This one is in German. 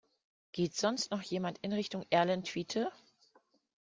Geht sonst noch jemand in Richtung Erlentwiete?